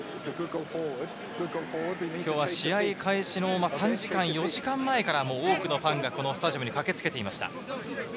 今日は試合開始の３時間、４時間前から多くのファンがスタジアムに駆けつけていました。